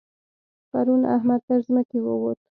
پرون احمد تر ځمکې ووت.